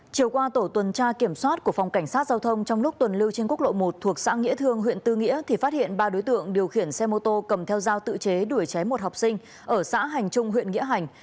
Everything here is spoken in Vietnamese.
chiều qua tổ tuần tra kiểm soát của phòng cảnh sát giao thông trong lúc tuần lưu trên quốc lộ một thuộc xã nghĩa thương huyện tư nghĩa thì phát hiện ba đối tượng điều khiển xe mô tô cầm theo dao tự chế đuổi chém một học sinh ở xã hành trung huyện nghĩa hành